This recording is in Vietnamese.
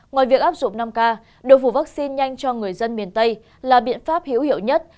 ngoài việc áp dụng năm ca đổ phủ vaccine nhanh cho người dân miền tây là biện pháp hiểu hiệu nhất